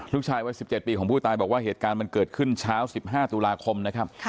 ลูกชายวัย๑๗ปีของผู้ตายบอกว่าเหตุการณ์มันเกิดขึ้นเช้า๑๕ตุลาคมนะครับ